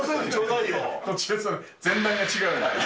前段が違う。